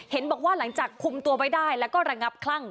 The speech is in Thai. บอกว่าหลังจากคุมตัวไว้ได้แล้วก็ระงับคลั่ง